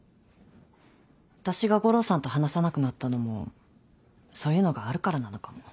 私が悟郎さんと話さなくなったのもそういうのがあるからなのかも。